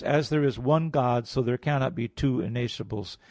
"As there is one God, so there cannot be two innascibles."